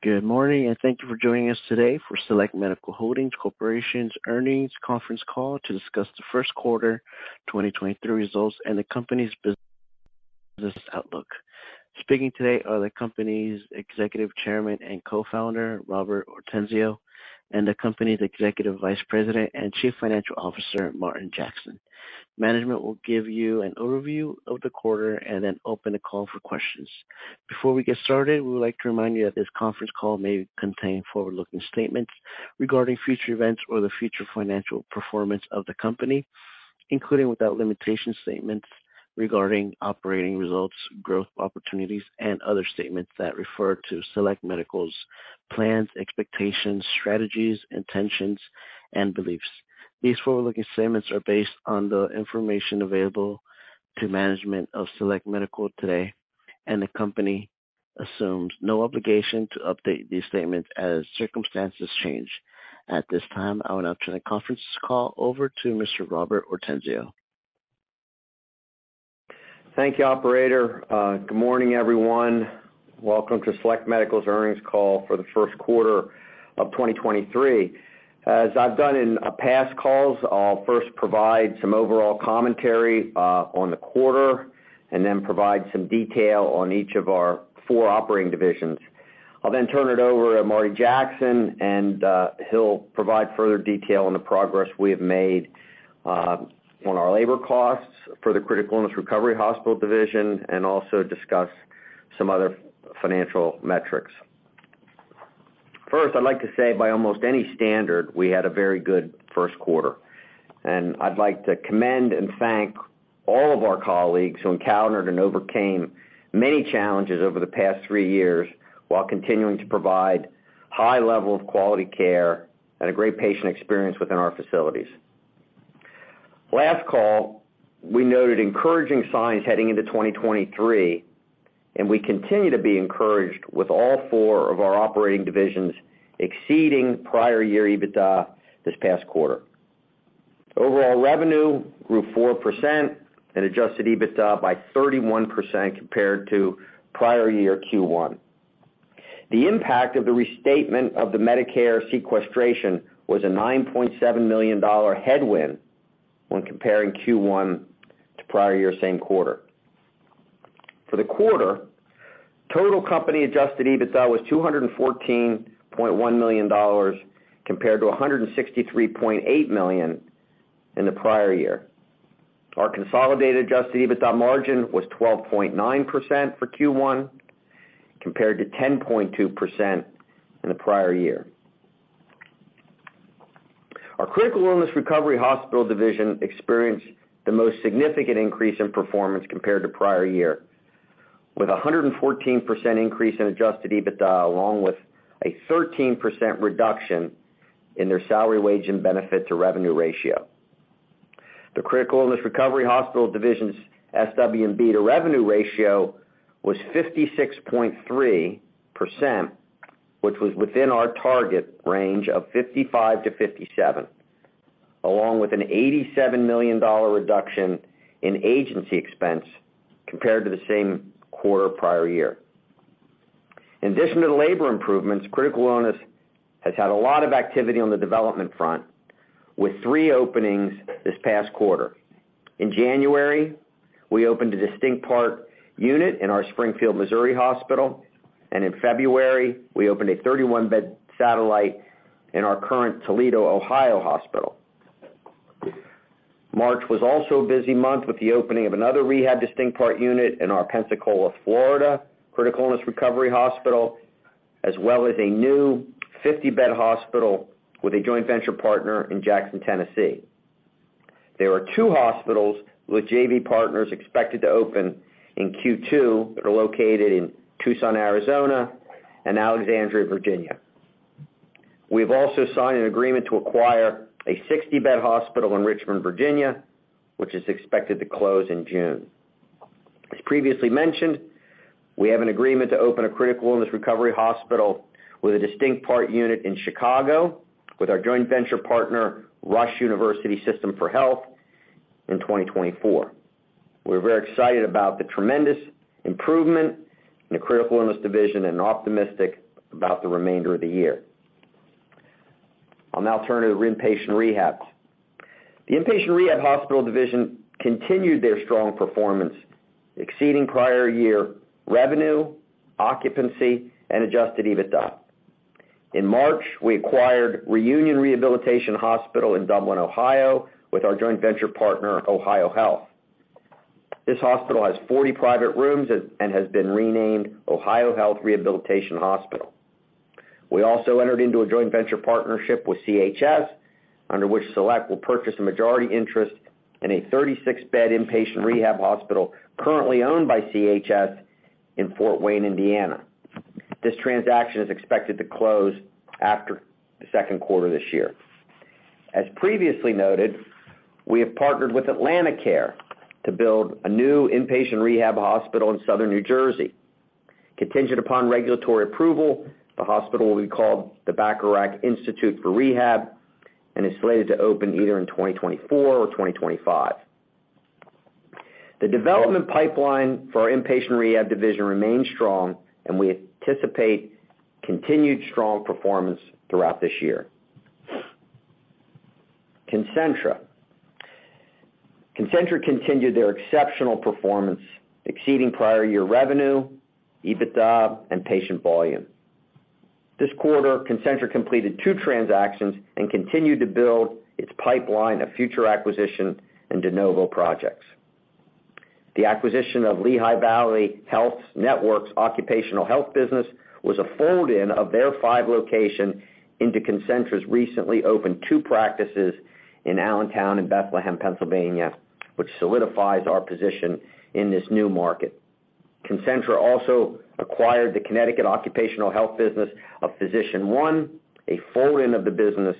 Good morning, thank you for joining us today for Select Medical Holdings Corporation's earnings conference call to discuss the first quarter 2023 results and the company's business outlook. Speaking today are the company's Executive Chairman and Co-founder, Robert Ortenzio, and the company's Executive Vice President and Chief Financial Officer, Martin Jackson. Management will give you an overview of the quarter and then open the call for questions. Before we get started, we would like to remind you that this conference call may contain forward-looking statements regarding future events or the future financial performance of the company, including without limitation statements regarding operating results, growth opportunities, and other statements that refer to Select Medical's plans, expectations, strategies, intentions, and beliefs. These forward-looking statements are based on the information available to management of Select Medical today, and the company assumes no obligation to update these statements as circumstances change. At this time, I would now turn the conference call over to Mr. Robert Ortenzio. Thank you, operator. Good morning, everyone. Welcome to Select Medical's earnings call for the first quarter of 2023. As I've done in past calls, I'll first provide some overall commentary on the quarter and then provide some detail on each of our four operating divisions. I'll then turn it over to Marty Jackson, and he'll provide further detail on the progress we have made on our labor costs for the Critical Illness Recovery Hospital division, and also discuss some other financial metrics. First, I'd like to say, by almost any standard, we had a very good first quarter, and I'd like to commend and thank all of our colleagues who encountered and overcame many challenges over the past three years while continuing to provide high level of quality care and a great patient experience within our facilities. Last call, we noted encouraging signs heading into 2023. We continue to be encouraged with all four of our operating divisions exceeding prior year EBITDA this past quarter. Overall revenue grew 4% and adjusted EBITDA by 31% compared to prior year Q1. The impact of the restatement of the Medicare sequestration was a $9.7 million headwind when comparing Q1 to prior year same quarter. For the quarter, total company adjusted EBITDA was $214.1 million compared to $163.8 million in the prior year. Our consolidated adjusted EBITDA margin was 12.9% for Q1, compared to 10.2% in the prior year. Our Critical Illness Recovery Hospital division experienced the most significant increase in performance compared to prior year, with a 114% increase in adjusted EBITDA, along with a 13% reduction in their salary, wage, and benefit to revenue ratio. The Critical Illness Recovery Hospital division's SWB to revenue ratio was 56.3%, which was within our target range of 55-57, along with an $87 million reduction in agency expense compared to the same quarter prior year. In addition to the labor improvements, Critical Illness has had a lot of activity on the development front with three openings this past quarter. In January, we opened a distinct part unit in our Springfield, Missouri hospital. In February, we opened a 31-bed satellite in our current Toledo, Ohio hospital. March was also a busy month with the opening of another rehab distinct part unit in our Pensacola, Florida Critical Illness Recovery Hospital, as well as a new 50-bed hospital with a joint venture partner in Jackson, Tennessee. There are 2 hospitals with JV partners expected to open in Q2 that are located in Tucson, Arizona and Alexandria, Virginia. We've also signed an agreement to acquire a 60-bed hospital in Richmond, Virginia, which is expected to close in June. As previously mentioned, we have an agreement to open a Critical Illness Recovery Hospital with a distinct part unit in Chicago with our joint venture partner, Rush University System for Health, in 2024. We're very excited about the tremendous improvement in the Critical Illness division and optimistic about the remainder of the year. On alternative inpatient rehab. The inpatient rehab hospital division continued their strong performance, exceeding prior year revenue, occupancy, and adjusted EBITDA. In March, we acquired Reunion Rehabilitation Hospital in Dublin, Ohio with our joint venture partner, OhioHealth. This hospital has 40 private rooms and has been renamed OhioHealth Rehabilitation Hospital. We also entered into a joint venture partnership with CHS, under which Select will purchase a majority interest in a 36-bed inpatient rehab hospital currently owned by CHS in Fort Wayne, Indiana. This transaction is expected to close after the second quarter this year. As previously noted, we have partnered with AtlantiCare to build a new inpatient rehab hospital in Southern New Jersey. Contingent upon regulatory approval, the hospital will be called the Bacharach Institute for Rehabilitation and is slated to open either in 2024 or 2025. The development pipeline for our inpatient rehab division remains strong, and we anticipate continued strong performance throughout this year. Concentra continued their exceptional performance, exceeding prior year revenue, EBITDA, and patient volume. This quarter, Concentra completed 2 transactions and continued to build its pipeline of future acquisition and de novo projects. The acquisition of Lehigh Valley Health Network's occupational health business was a fold-in of their 5 locations into Concentra's recently opened 2 practices in Allentown and Bethlehem, Pennsylvania, which solidifies our position in this new market. Concentra also acquired the Connecticut occupational health business of PhysicianOne, a fold-in of the business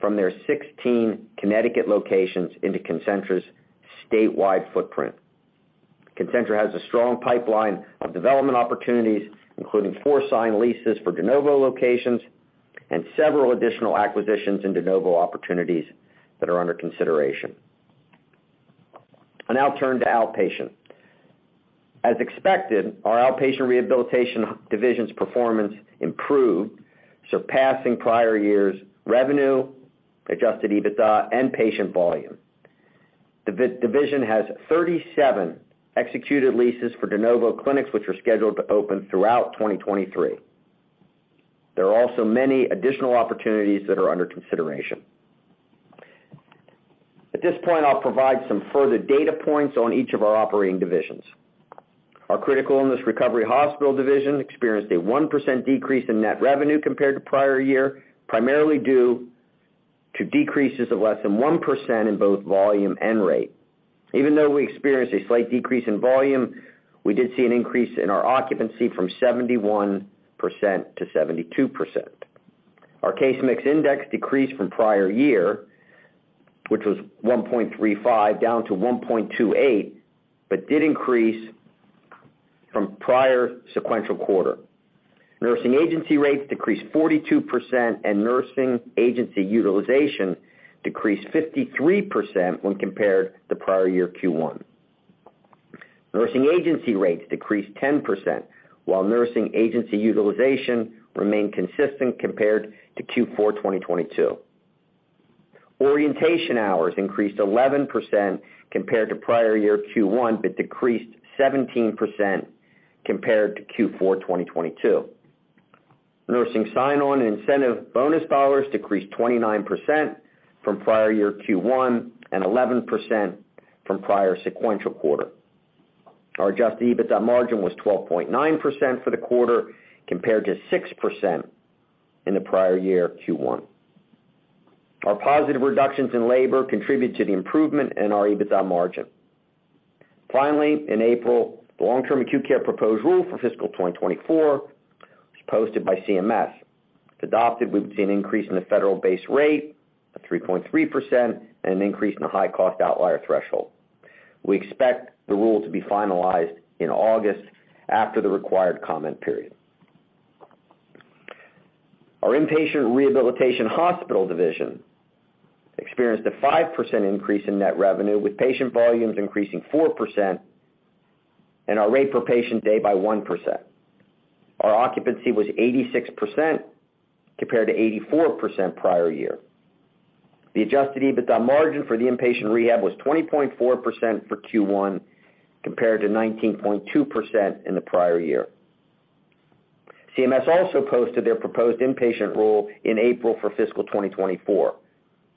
from their 16 Connecticut locations into Concentra's statewide footprint. Concentra has a strong pipeline of development opportunities, including 4 signed leases for de novo locations and several additional acquisitions and de novo opportunities that are under consideration. I'll now turn to outpatient. As expected, our outpatient rehabilitation division's performance improved, surpassing prior year's revenue, adjusted EBITDA, and patient volume. The division has 37 executed leases for de novo clinics, which are scheduled to open throughout 2023. There are also many additional opportunities that are under consideration. At this point, I'll provide some further data points on each of our operating divisions. Our Critical Illness Recovery Hospital division experienced a 1% decrease in net revenue compared to prior year, primarily due to decreases of less than 1% in both volume and rate. Even though we experienced a slight decrease in volume, we did see an increase in our occupancy from 71% to 72%. Our case mix index decreased from prior year, which was 1.35 down to 1.28, did increase from prior sequential quarter. Nursing agency rates decreased 42%, nursing agency utilization decreased 53% when compared to prior year Q1. Nursing agency rates decreased 10%, while nursing agency utilization remained consistent compared to Q4 2022. Orientation hours increased 11% compared to prior year Q1, decreased 17% compared to Q4 2022. Nursing sign-on incentive bonus dollars decreased 29% from prior year Q1 and 11% from prior sequential quarter. Our adjusted EBITDA margin was 12.9% for the quarter, compared to 6% in the prior year Q1. Our positive reductions in labor contributed to the improvement in our EBITDA margin. Finally, in April, the long-term acute care proposed rule for fiscal 2024 was posted by CMS. If adopted, we would see an increase in the federal base rate of 3.3% and an increase in the high-cost outlier threshold. We expect the rule to be finalized in August after the required comment period. Our inpatient rehabilitation hospital division experienced a 5% increase in net revenue, with patient volumes increasing 4% and our rate per patient day by 1%. Our occupancy was 86% compared to 84% prior year. The adjusted EBITDA margin for the inpatient rehab was 20.4% for Q1 compared to 19.2% in the prior year. CMS also posted their proposed inpatient rule in April for fiscal 2024.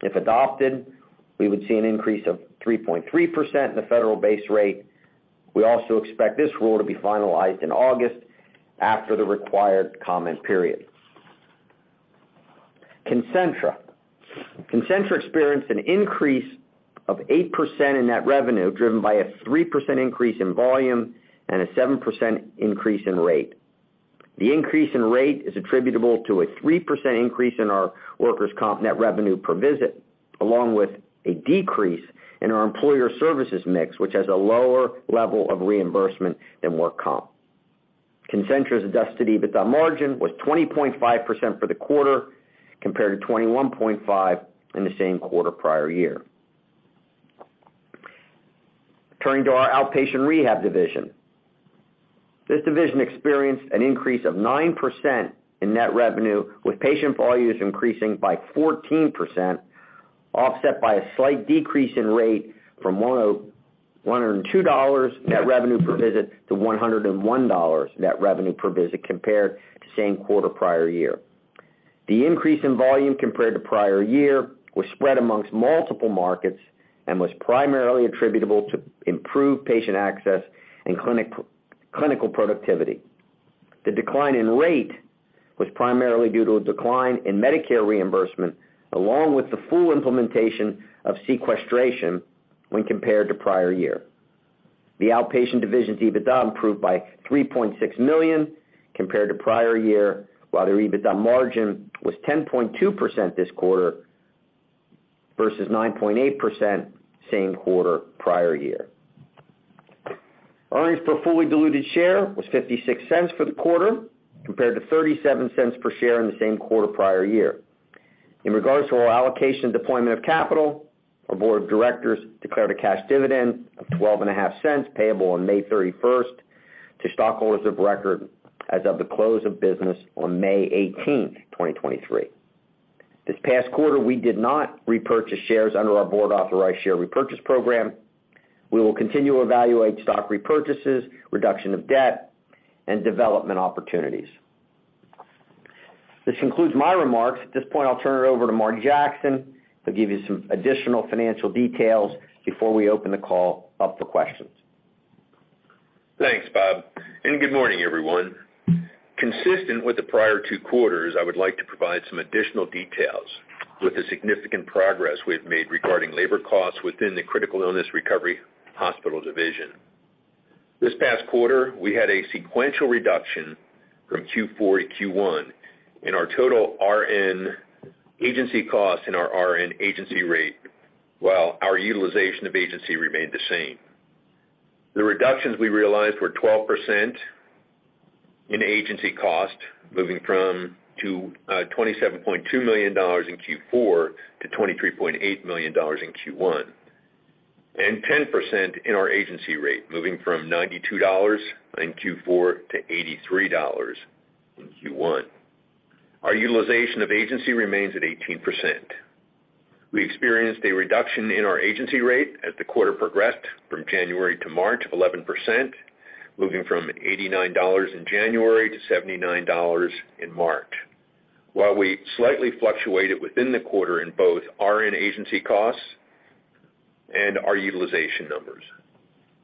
If adopted, we would see an increase of 3.3% in the federal base rate. We also expect this rule to be finalized in August after the required comment period. Concentra. Concentra experienced an increase of 8% in net revenue, driven by a 3% increase in volume and a 7% increase in rate. The increase in rate is attributable to a 3% increase in our workers' comp net revenue per visit, along with a decrease in our employer services mix, which has a lower level of reimbursement than work comp. Concentra's adjusted EBITDA margin was 20.5% for the quarter, compared to 21.5% in the same quarter prior year. Turning to our outpatient rehab division. This division experienced an increase of 9% in net revenue, with patient volumes increasing by 14%, offset by a slight decrease in rate from $102 net revenue per visit to $101 net revenue per visit compared to same quarter prior year. The increase in volume compared to prior year was spread amongst multiple markets and was primarily attributable to improved patient access and clinical productivity. The decline in rate was primarily due to a decline in Medicare reimbursement, along with the full implementation of sequestration when compared to prior year. The outpatient division's EBITDA improved by $3.6 million compared to prior year, while their EBITDA margin was 10.2% this quarter versus 9.8% same quarter prior year. Earnings per fully diluted share was $0.56 for the quarter, compared to $0.37 per share in the same quarter prior year. In regards to our allocation deployment of capital, our board of directors declared a cash dividend of $0.125 payable on May 31st to stockholders of record as of the close of business on May 18th, 2023. This past quarter, we did not repurchase shares under our board authorized share repurchase program. We will continue to evaluate stock repurchases, reduction of debt, and development opportunities. This concludes my remarks. At this point, I'll turn it over to Martin Jackson, who'll give you some additional financial details before we open the call up for questions. Thanks, Bob, and good morning, everyone. Consistent with the prior two quarters, I would like to provide some additional details with the significant progress we've made regarding labor costs within the Critical Illness Recovery Hospital division. This past quarter, we had a sequential reduction from Q4 to Q1 in our total RN agency costs and our RN agency rate, while our utilization of agency remained the same. The reductions we realized were 12% in agency cost, moving to $27.2 million in Q4 to $23.8 million in Q1, and 10% in our agency rate, moving from $92 in Q4 to $83 in Q1. Our utilization of agency remains at 18%. We experienced a reduction in our agency rate as the quarter progressed from January to March of 11%, moving from $89 in January to $79 in March. While we slightly fluctuated within the quarter in both RN agency costs and our utilization numbers.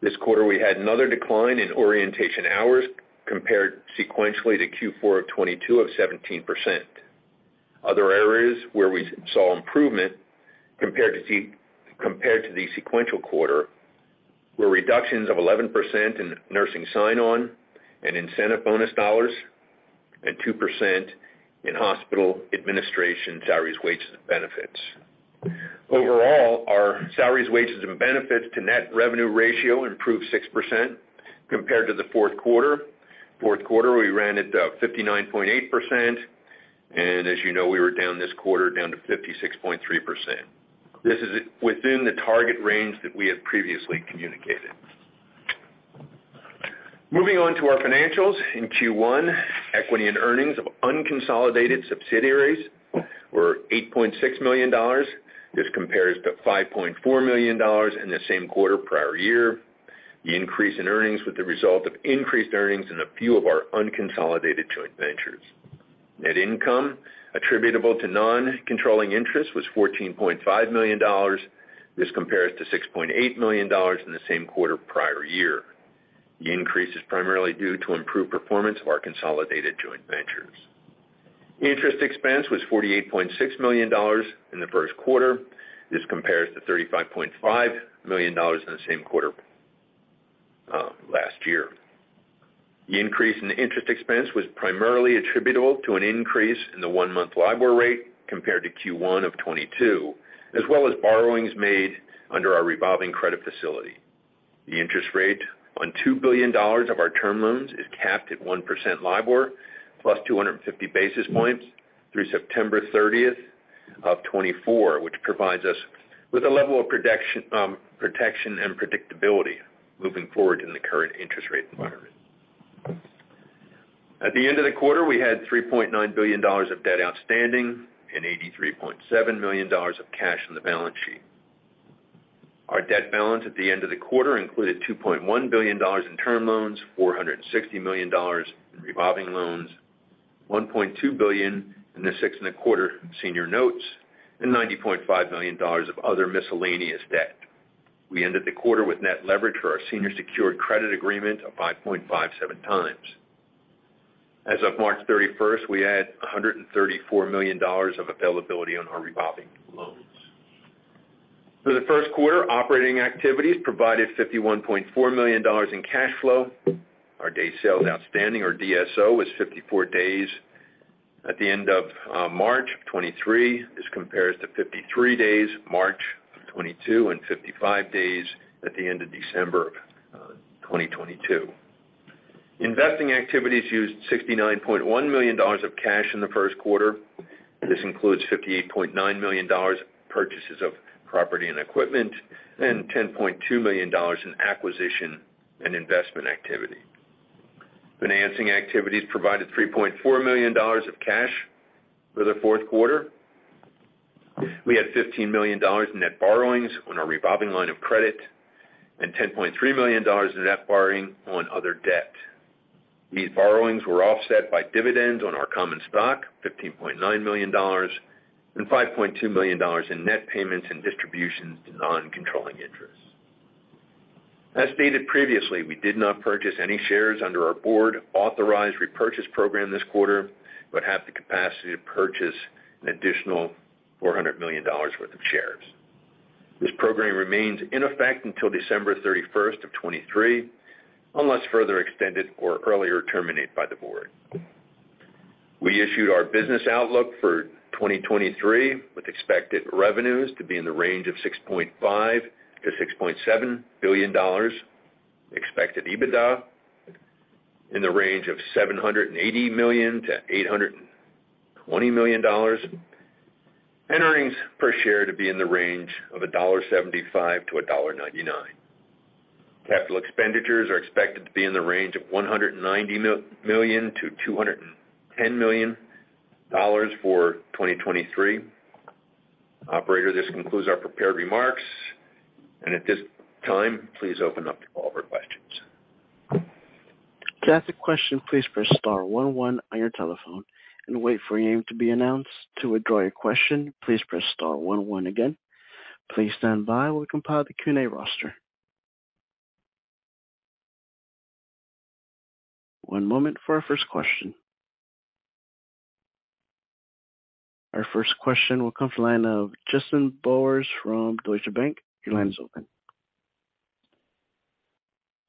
This quarter, we had another decline in orientation hours compared sequentially to Q4 of 2022 of 17%. Other areas where we saw improvement compared to the sequential quarter were reductions of 11% in nursing sign-on and incentive bonus dollars, and 2% in hospital administration salaries, wages, and benefits. Overall, our salaries, wages, and benefits to net revenue ratio improved 6% compared to the fourth quarter. Fourth quarter, we ran at 59.8%, and as you know, we were down this quarter down to 56.3%. This is within the target range that we had previously communicated. Moving on to our financials. In Q1, equity and earnings of unconsolidated subsidiaries were $8.6 million. This compares to $5.4 million in the same quarter prior-year. The increase in earnings was the result of increased earnings in a few of our unconsolidated joint ventures. Net income attributable to non-controlling interest was $14.5 million. This compares to $6.8 million in the same quarter prior-year. The increase is primarily due to improved performance of our consolidated joint ventures. Interest expense was $48.6 million in the first quarter. This compares to $35.5 million in the same quarter last year. The increase in interest expense was primarily attributable to an increase in the one-month LIBOR rate compared to Q1 of 2022, as well as borrowings made under our revolving credit facility. The interest rate on $2 billion of our term loans is capped at 1% LIBOR plus 250 basis points through September 30, 2024, which provides us with a level of protection and predictability moving forward in the current interest rate environment. At the end of the quarter, we had $3.9 billion of debt outstanding and $83.7 million of cash on the balance sheet. Our debt balance at the end of the quarter included $2.1 billion in term loans, $460 million in revolving loans, $1.2 billion in the 6.25% Senior Notes, and $90.5 million of other miscellaneous debt. We ended the quarter with net leverage for our senior secured credit agreement of 5.57 times. As of March 31st, we had $134 million of availability on our revolving loans. For the first quarter, operating activities provided $51.4 million in cash flow. Our days sales outstanding, or DSO, was 54 days at the end of March of 2023. This compares to 53 days March of 2022 and 55 days at the end of December 2022. Investing activities used $69.1 million of cash in the first quarter. This includes $58.9 million purchases of property and equipment and $10.2 million in acquisition and investment activity. Financing activities provided $3.4 million of cash for the fourth quarter. We had $15 million in net borrowings on our revolving line of credit and $10.3 million in net borrowing on other debt. These borrowings were offset by dividends on our common stock, $15.9 million, and $5.2 million in net payments and distributions to non-controlling interests. As stated previously, we did not purchase any shares under our board authorized repurchase program this quarter, but have the capacity to purchase an additional $400 million worth of shares. This program remains in effect until December 31st of 2023, unless further extended or earlier terminated by the board. We issued our business outlook for 2023, with expected revenues to be in the range of $6.5 billion-$6.7 billion, expected EBITDA in the range of $780 million-$820 million, and earnings per share to be in the range of $1.75-$1.99. Capital expenditures are expected to be in the range of $190 million-$210 million for 2023. Operator, this concludes our prepared remarks. At this time, please open up to all of our questions. To ask a question, please press star one one on your telephone and wait for your name to be announced. To withdraw your question, please press star one one again. Please stand by while we compile the Q&A roster. One moment for our first question. Our first question will come from the line of Justin Bowers from Deutsche Bank. Your line is open.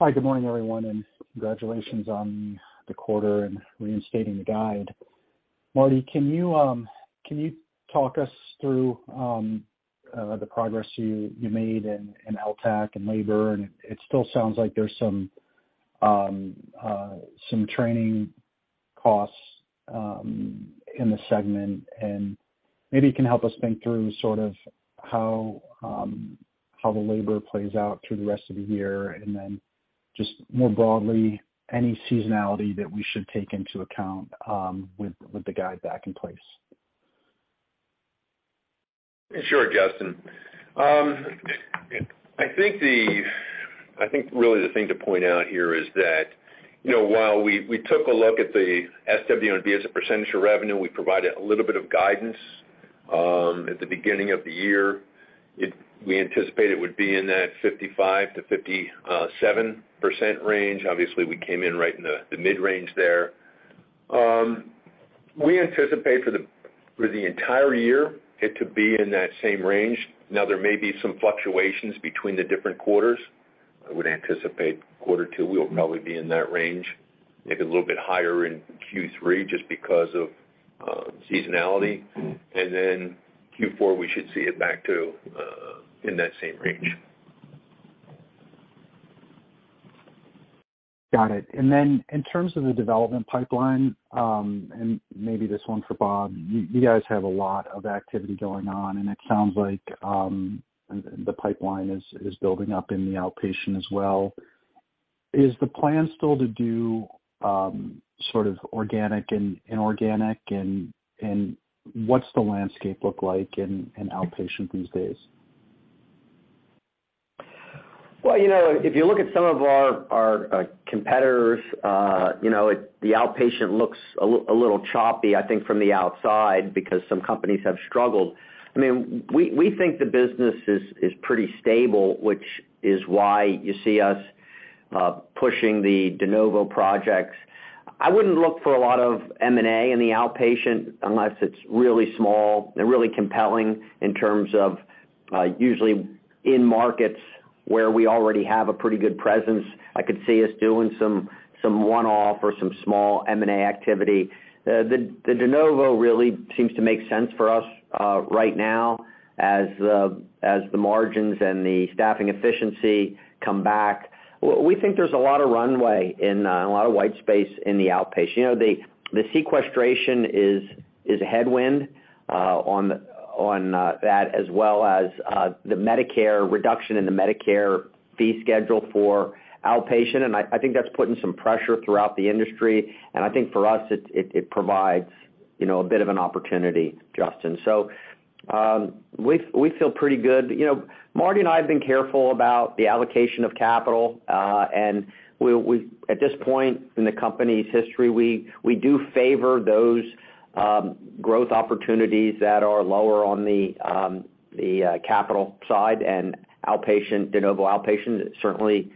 Hi, good morning, everyone, and congratulations on the quarter and reinstating the guide. Marty, can you talk us through the progress you made in LTAC and labor? It still sounds like there's some training costs in the segment, and maybe you can help us think through sort of how the labor plays out through the rest of the year. Then just more broadly, any seasonality that we should take into account with the guide back in place. Sure, Justin. I think really the thing to point out here is that, you know, while we took a look at the SWNB as a percentage of revenue, we provided a little bit of guidance at the beginning of the year. We anticipated it would be in that 55-57% range. Obviously, we came in right in the mid-range there. We anticipate for the entire year it to be in that same range. Now there may be some fluctuations between the different quarters. I would anticipate quarter two, we'll probably be in that range, maybe a little bit higher in Q3 just because of seasonality. Q4, we should see it back to in that same range. Got it. Then in terms of the development pipeline, and maybe this one for Bob, you guys have a lot of activity going on, and it sounds like the pipeline is building up in the outpatient as well. Is the plan still to do sort of organic and inorganic and what's the landscape look like in outpatient these days? Well, you know, if you look at some of our competitors, you know, the outpatient looks a little choppy, I think, from the outside because some companies have struggled. I mean, we think the business is pretty stable, which is why you see us pushing the de novo projects. I wouldn't look for a lot of M&A in the outpatient unless it's really small and really compelling in terms of usually in markets where we already have a pretty good presence. I could see us doing some one-off or some small M&A activity. The de novo really seems to make sense for us right now as the margins and the staffing efficiency come back. We think there's a lot of runway and a lot of white space in the outpatient. You know, the sequestration is a headwind on that as well as the Medicare reduction and the Medicare fee schedule for outpatient. I think that's putting some pressure throughout the industry. I think for us, it provides, you know, a bit of an opportunity, Justin. We feel pretty good. You know, Marty and I have been careful about the allocation of capital. At this point in the company's history, we do favor those growth opportunities that are lower on the capital side and outpatient, de novo outpatient certainly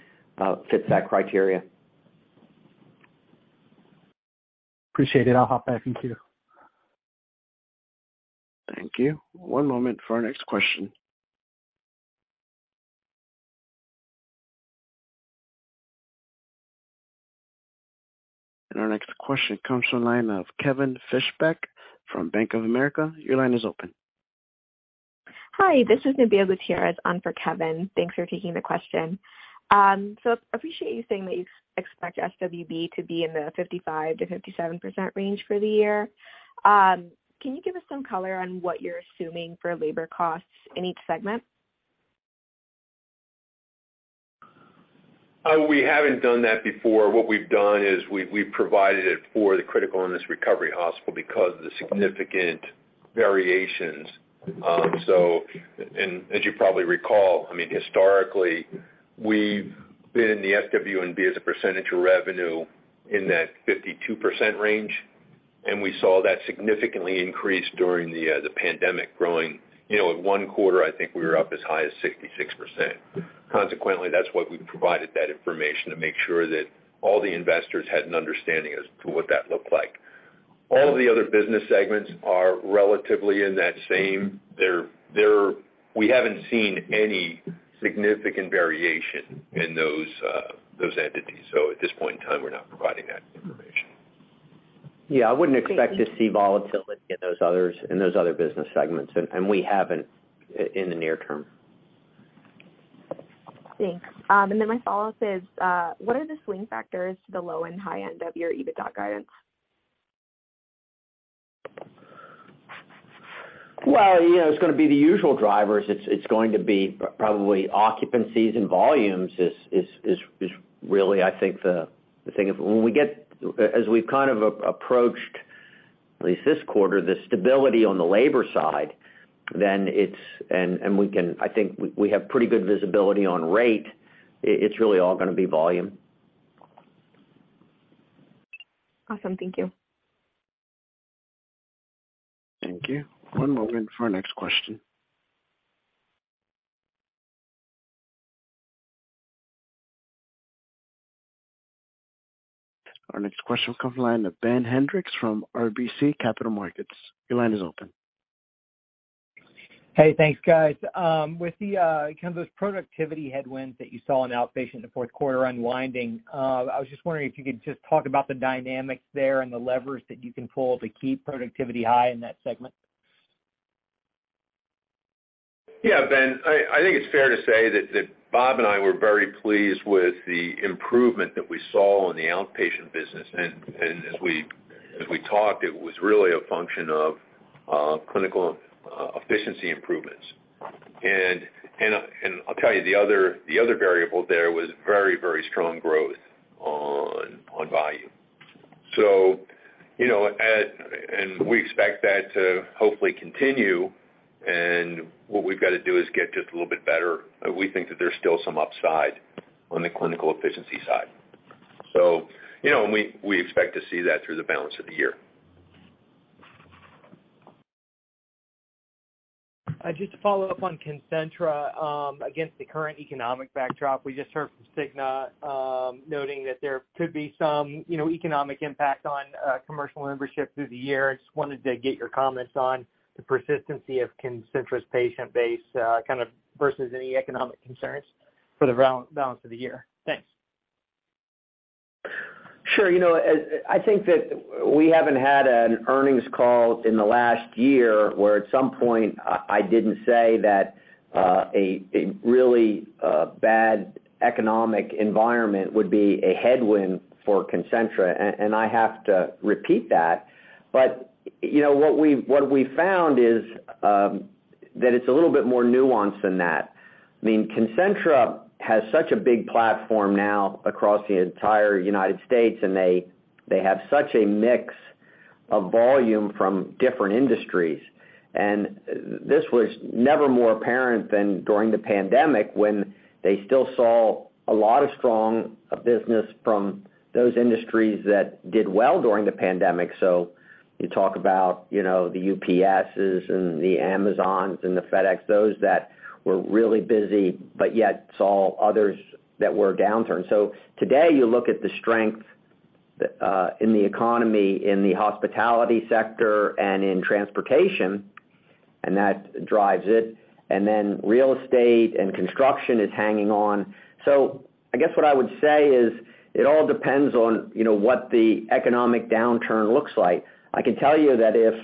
fits that criteria. Appreciate it. I'll hop back in queue. Thank you. One moment for our next question. Our next question comes from line of Kevin Fischbeck from Bank of America. Your line is open. Hi, this is Nabil Gutierrez on for Kevin. Thanks for taking the question. Appreciate you saying that you expect SWB to be in the 55%-57% range for the year. Can you give us some color on what you're assuming for labor costs in each segment? We haven't done that before. What we've done is we've provided it for the Critical Illness Recovery Hospital because of the significant variations. As you probably recall, I mean, historically, we've been in the SWNB as a percentage of revenue in that 52% range, and we saw that significantly increase during the pandemic growing. You know, at 1 quarter, I think we were up as high as 66%. Consequently, that's why we provided that information to make sure that all the investors had an understanding as to what that looked like. All the other business segments are relatively in that same. We haven't seen any significant variation in those entities. At this point in time, we're not providing that information. Yeah, I wouldn't expect to see volatility in those other business segments, and we haven't in the near term. Thanks. My follow-up is, what are the swing factors to the low and high end of your EBITDA guidance? Well, you know, it's gonna be the usual drivers. It's going to be probably occupancies and volumes is really I think. As we've kind of approached, at least this quarter, the stability on the labor side, and we can, I think we have pretty good visibility on rate. It's really all gonna be volume. Awesome. Thank you. Thank you. One moment for our next question. Our next question will come from the line of Ben Hendrix from RBC Capital Markets. Your line is open. Hey, thanks guys. With the kind of those productivity headwinds that you saw in outpatient in the fourth quarter unwinding, I was just wondering if you could just talk about the dynamics there and the levers that you can pull to keep productivity high in that segment. Yeah, Ben, I think it's fair to say that Bob and I were very pleased with the improvement that we saw in the outpatient business. As we talked, it was really a function of clinical efficiency improvements. I'll tell you the other variable there was very strong growth on volume. You know, and we expect that to hopefully continue. What we've got to do is get just a little bit better. We think that there's still some upside on the clinical efficiency side. You know, and we expect to see that through the balance of the year. Just to follow up on Concentra, against the current economic backdrop. We just heard from Cigna, noting that there could be some, you know, economic impact on commercial membership through the year. I just wanted to get your comments on the persistency of Concentra's patient base, kind of versus any economic concerns for the balance of the year. Thanks. Sure. You know, I think that we haven't had an earnings call in the last year where at some point I didn't say that a really bad economic environment would be a headwind for Concentra, and I have to repeat that. You know, what we found is that it's a little bit more nuanced than that. I mean, Concentra has such a big platform now across the entire United States, and they have such a mix of volume from different industries. This was never more apparent than during the pandemic when they still saw a lot of strong business from those industries that did well during the pandemic. You talk about, you know, the UPSes and the Amazons and the FedEx, those that were really busy, but yet saw others that were downturn. Today, you look at the strength in the economy, in the hospitality sector and in transportation, and that drives it. Real estate and construction is hanging on. I guess what I would say is it all depends on, you know, what the economic downturn looks like. I can tell you that if,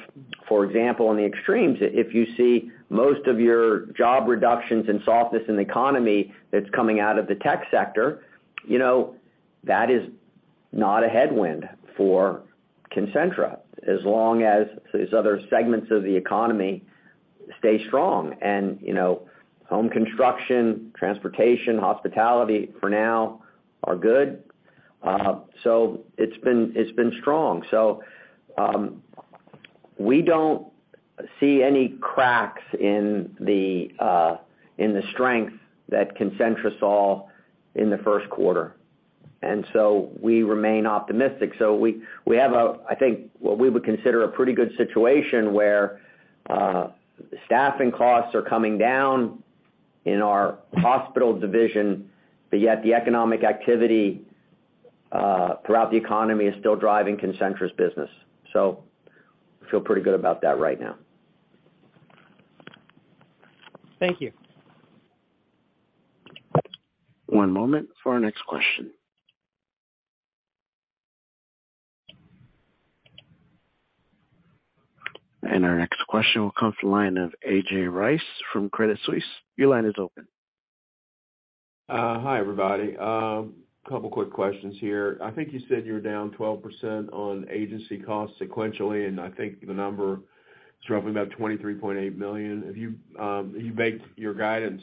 for example, in the extremes, if you see most of your job reductions and softness in the economy that's coming out of the tech sector, you know, that is not a headwind for Concentra as long as these other segments of the economy stay strong. You know, home construction, transportation, hospitality for now are good. It's been strong. We don't see any cracks in the strength that Concentra saw in the first quarter. We remain optimistic. We have a, I think what we would consider a pretty good situation where staffing costs are coming down in our hospital division, but yet the economic activity throughout the economy is still driving Concentra's business. I feel pretty good about that right now. Thank you. One moment for our next question. Our next question will come to the line of A.J. Rice from Credit Suisse. Your line is open. Hi, everybody. A couple quick questions here. I think you said you were down 12% on agency costs sequentially. I think the number is roughly about $23.8 million. Have you baked your guidance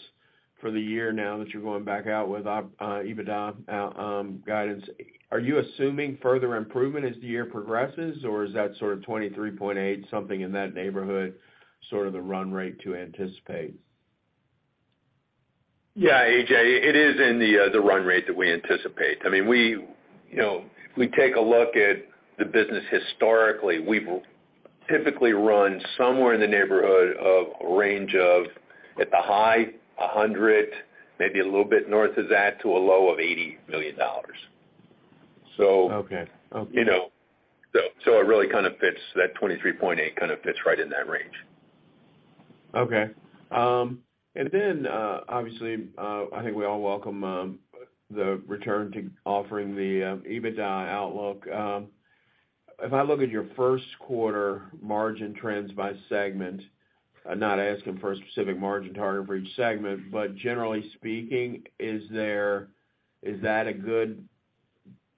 for the year now that you're going back out with EBITDA guidance? Are you assuming further improvement as the year progresses, or is that sort of $23.8, something in that neighborhood, sort of the run rate to anticipate? Yeah, A.J., it is in the run rate that we anticipate. I mean, we, you know, if we take a look at the business historically, we've typically run somewhere in the neighborhood of a range of, at the high, $100 million, maybe a little bit north of that, to a low of $80 million. Okay. Okay. You know, it really kind of fits that 23.8 kind of fits right in that range. Okay. Obviously, I think we all welcome the return to offering the EBITDA outlook. If I look at your first quarter margin trends by segment, I'm not asking for a specific margin target for each segment, but generally speaking, is that a good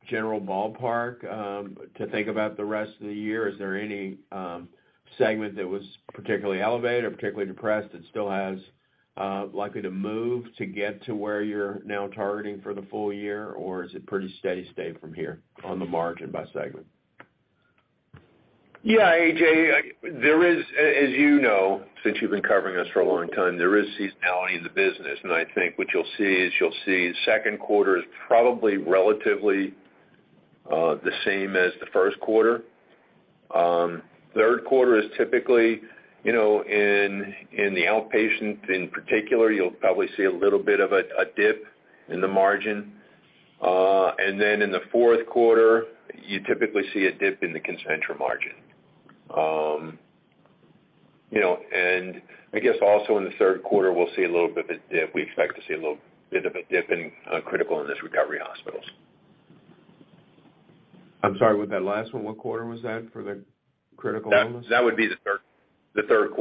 general ballpark to think about the rest of the year? Is there any segment that was particularly elevated or particularly depressed that still has likely to move to get to where you're now targeting for the full year? Is it pretty steady state from here on the margin by segment? Yeah, AJ, there is, as you know, since you've been covering us for a long time, there is seasonality in the business. I think what you'll see is you'll see second quarter is probably relatively the same as the first quarter. Third quarter is typically, you know, in the outpatient, in particular, you'll probably see a little bit of a dip in the margin. In the fourth quarter, you typically see a dip in the Concentra margin. You know, I guess also in the third quarter, we'll see a little bit of a dip. We expect to see a little bit of a dip in Critical Illness Recovery hospitals. I'm sorry, with that last one, what quarter was that for the Critical Illness? That would be the third quarter. Third.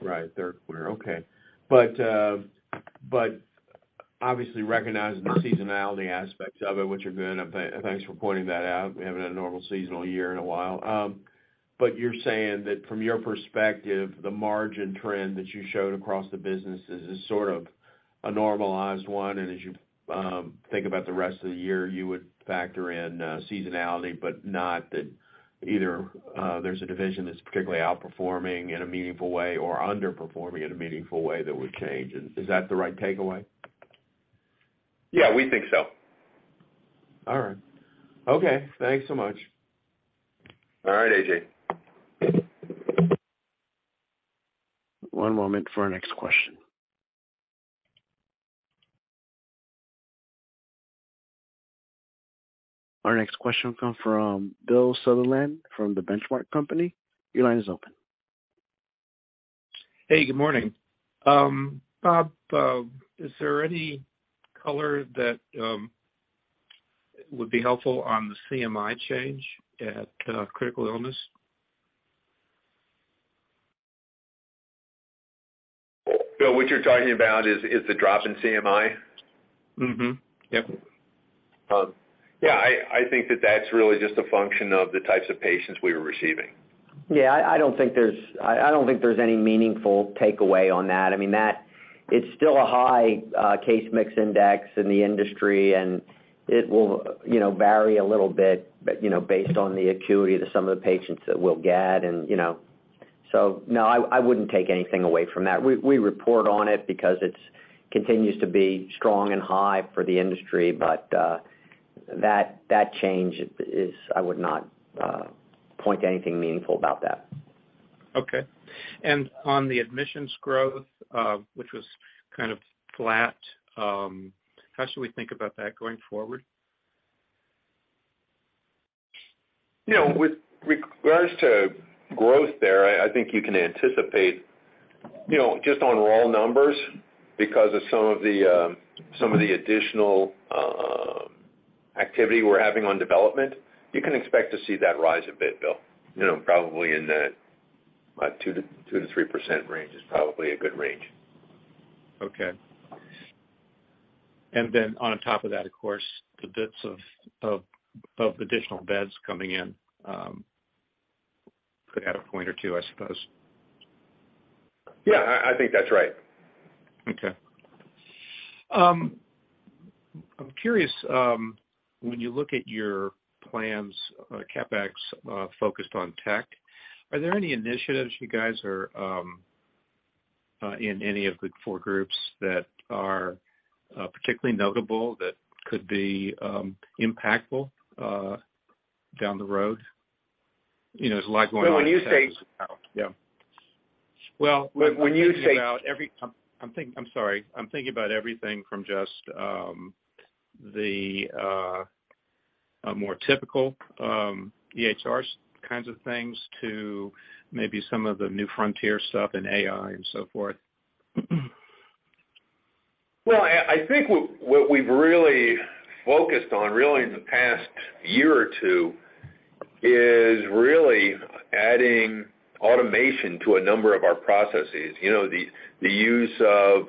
Right. Third quarter. Okay. Obviously recognizing the seasonality aspects of it, which are good, and thanks for pointing that out. We haven't had a normal seasonal year in a while. But you're saying that from your perspective, the margin trend that you showed across the businesses is sort of a normalized one. As you think about the rest of the year, you would factor in seasonality, but not that either there's a division that's particularly outperforming in a meaningful way or underperforming in a meaningful way that would change. Is that the right takeaway? Yeah, we think so. All right. Okay. Thanks so much. All right, A.J. One moment for our next question. Our next question will come from Bill Sutherland from The Benchmark Company. Your line is open. Hey, good morning. Bob, is there any color that would be helpful on the CMI change at critical illness? Bill, what you're talking about is the drop in CMI? Mm-hmm. Yep. Yeah, I think that that's really just a function of the types of patients we were receiving. Yeah, I don't think there's any meaningful takeaway on that. I mean, that is still a high case mix index in the industry, and it will, you know, vary a little bit, but, you know, based on the acuity to some of the patients that we'll get and, you know. No, I wouldn't take anything away from that. We report on it because it's continues to be strong and high for the industry. That change is I would not point to anything meaningful about that. Okay. On the admissions growth, which was kind of flat, how should we think about that going forward? You know, with regards to growth there, I think you can anticipate, you know, just on raw numbers because of some of the additional activity we're having on development, you can expect to see that rise a bit, Bill. You know, probably in that 2%-3% range is probably a good range. Okay. On top of that, of course, the bits of additional beds coming in, could add a point or two, I suppose. Yeah. I think that's right. Okay. I'm curious, when you look at your plans, CapEx, focused on tech, are there any initiatives you guys are in any of the four groups that are particularly notable that could be impactful down the road? You know, there's a lot going on. Well, when you. Yeah. Well- When you say- I'm sorry. I'm thinking about everything from just the more typical EHRs kinds of things to maybe some of the new frontier stuff in AI and so forth. Well, I think what we've really focused on in the past year or two is really adding automation to a number of our processes. You know, the use of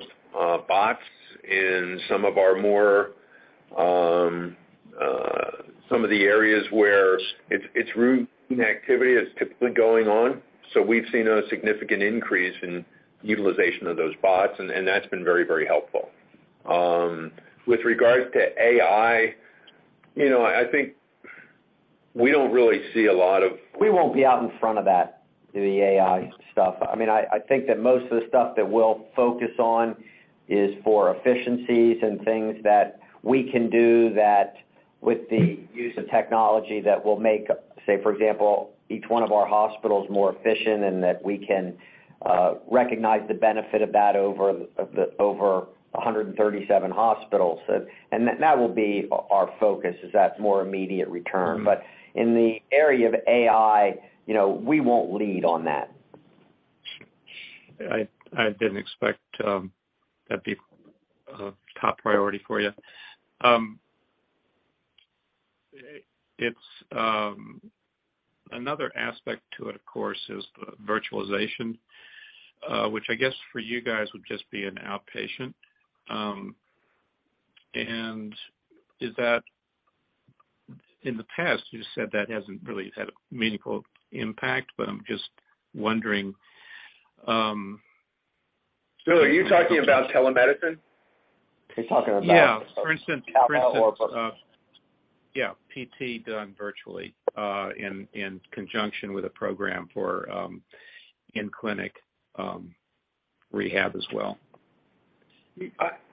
bots in some of our more some of the areas where it's routine activity that's typically going on. We've seen a significant increase in utilization of those bots, and that's been very helpful. With regards to AI, you know, I think we don't really see a lot of- We won't be out in front of that, the AI stuff. I mean, I think that most of the stuff that we'll focus on is for efficiencies and things that we can do that with the use of technology that will make, say, for example, each one of our hospitals more efficient and that we can recognize the benefit of that over 137 hospitals. That will be our focus is that more immediate return. In the area of AI, you know, we won't lead on that. I didn't expect that'd be a top priority for you. It's another aspect to it, of course, is the virtualization, which I guess for you guys would just be an outpatient. In the past, you said that hasn't really had a meaningful impact, but I'm just wondering. Bill, are you talking about telemedicine? He's talking about- Yeah. For instance, PT done virtually, in conjunction with a program for, in-clinic, rehab as well.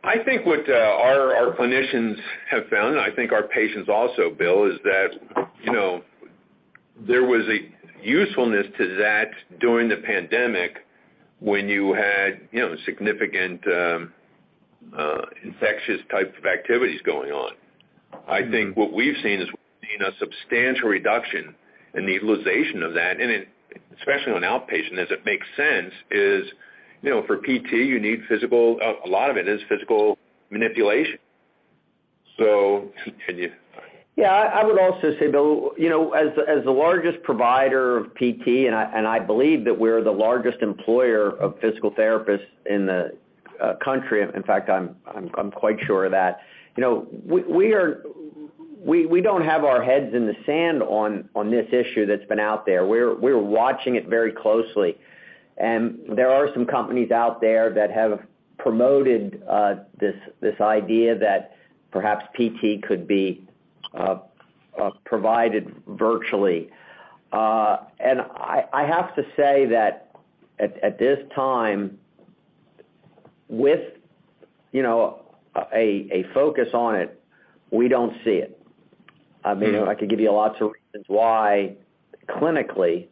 I think what our clinicians have found, I think our patients also, Bill, is that, you know, there was a usefulness to that during the pandemic when you had, you know, significant infectious types of activities going on. I think what we've seen is we've seen a substantial reduction in the utilization of that, and especially on outpatient, as it makes sense, is, you know, for PT, you need physical. A lot of it is physical manipulation. Continue. Yeah, I would also say, Bill, you know, as the largest provider of PT, and I believe that we're the largest employer of physical therapists in the country, in fact, I'm quite sure of that. You know, we don't have our heads in the sand on this issue that's been out there. We're watching it very closely. There are some companies out there that have promoted this idea that perhaps PT could be provided virtually. I have to say that at this time, with, you know, a focus on it, we don't see it. I mean, I could give you lots of reasons why clinically,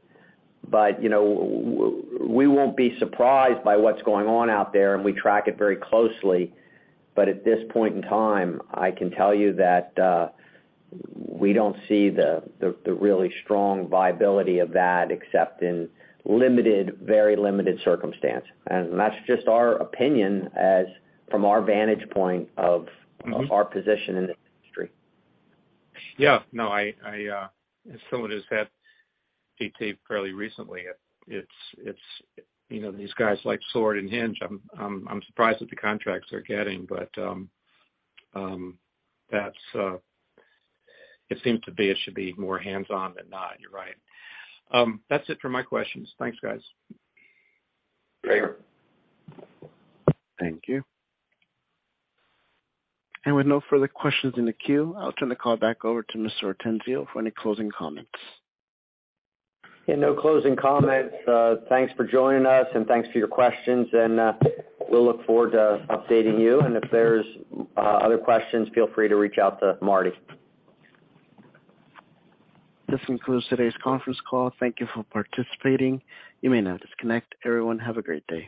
but, you know, we won't be surprised by what's going on out there. We track it very closely. At this point in time, I can tell you that, we don't see the really strong viability of that except in limited, very limited circumstance. That's just our opinion as from our vantage point of. Mm-hmm. our position in this industry. Yeah. No, I, as someone who's had PT fairly recently, it's, you know, these guys like Sword Health and Hinge Health, I'm surprised at the contracts they're getting. That's. It seems to be it should be more hands-on than not. You're right. That's it for my questions. Thanks, guys. Great. Thank you. With no further questions in the queue, I'll turn the call back over to Mr. Ortenzio for any closing comments. Yeah, no closing comments. Thanks for joining us, and thanks for your questions. We'll look forward to updating you. If there's other questions, feel free to reach out to Marty. This concludes today's conference call. Thank you for participating. You may now disconnect. Everyone, have a great day.